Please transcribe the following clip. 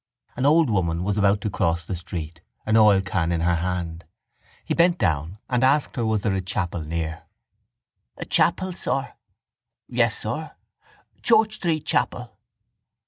An old woman was about to cross the street, an oilcan in her hand. He bent down and asked her was there a chapel near. —A chapel, sir? Yes, sir. Church Street chapel.